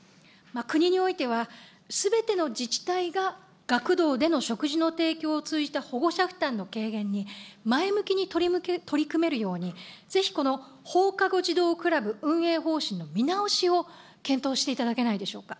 国においては、すべての自治体が学童での食事の提供を通じた保護者負担の軽減に、前向きに取り組めるように、ぜひこの放課後児童クラブ運営方針の見直しを検討していただけないでしょうか。